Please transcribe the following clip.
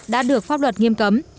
đã được pháp luật nghiêm cấm